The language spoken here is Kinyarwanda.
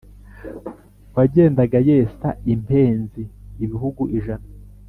wagendaga yesa impenzi ibihugu ijana,